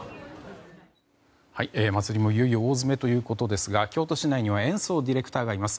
祭りもいよいよ大詰めということですが京都市内には延増ディレクターがいます。